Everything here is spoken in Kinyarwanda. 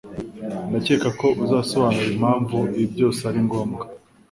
Ndakeka ko uzasobanura impamvu ibi byose ari ngombwa.